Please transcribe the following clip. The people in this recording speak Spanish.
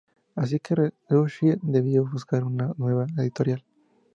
Así que Rushdie debió buscar una nueva editorial.